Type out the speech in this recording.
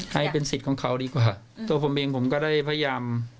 ให้เป็นสิทธิ์ของเขาดีกว่าตัวผมเองผมก็ได้พยายาม